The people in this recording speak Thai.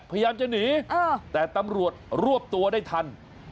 พยายามจะหนีแต่ตำรวจรวบตัวได้ทัน